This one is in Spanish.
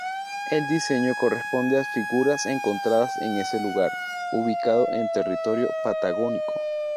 El diseño corresponde a figuras encontradas en ese lugar, ubicado en territorio patagónico.